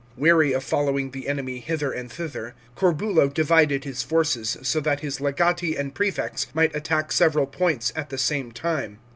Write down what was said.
Weary of following the enemy hither and thither, Corbulo divided his forces, so that his legati and prefects' might attack several points at the same time.